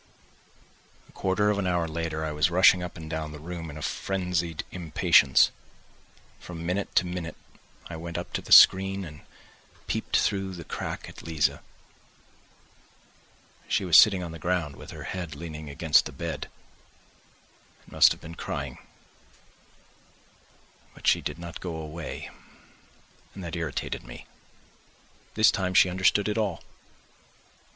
X A quarter of an hour later I was rushing up and down the room in frenzied impatience, from minute to minute I went up to the screen and peeped through the crack at Liza. She was sitting on the ground with her head leaning against the bed, and must have been crying. But she did not go away, and that irritated me. This time she understood it all.